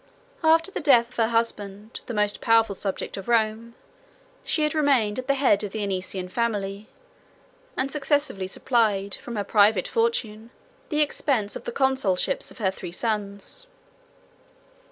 After the death of her husband, the most powerful subject of Rome, she had remained at the head of the Anician family, and successively supplied, from her private fortune, the expense of the consulships of her three sons.